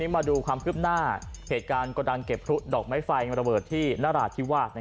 มาดูความคืบหน้าเหตุการณ์กระดังเก็บพลุดอกไม้ไฟระเบิดที่นราธิวาส